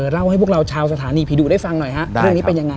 เล่าให้พวกเราชาวสถานีพิดุได้ฟังหน่อยครับ